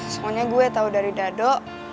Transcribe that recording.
soalnya gue tau dari dado